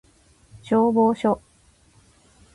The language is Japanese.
消防署